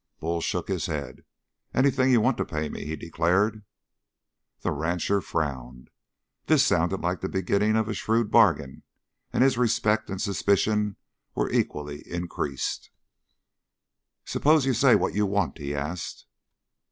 Bull shook his head. "Anything you want to pay me," he declared. The rancher frowned. This sounded like the beginning of a shrewd bargain, and his respect and suspicion were equally increased. "Suppose you say what you want?" he asked.